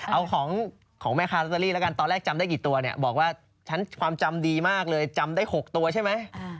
เอาของแม่ค้าลอตเตอรี่แล้วกันตอนแรกจำได้กี่ตัวเนี่ยบอกว่าฉันความจำดีมากเลยจำได้๖ตัวใช่ไหม